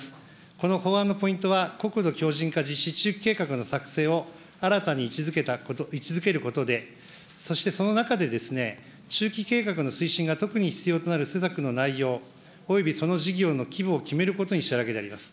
この法案のポイントは、国土強じん化実施計画の作成を新たに位置づけることで、そしてその中でですね、中期計画の推進が特に必要となる施策の内容およびその事業の規模を決めることにしたわけであります。